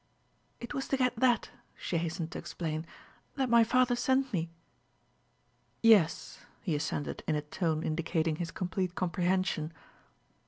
"It was to get that," she hastened to explain, "that my father sent me ..." "Yes," he assented in a tone indicating his complete comprehension.